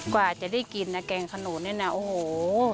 กว่าจะได้กินนะแกงขนุนนี่นะโอ้โห